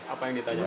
apa yang ditanyakan